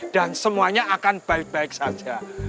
dan semuanya akan baik baik saja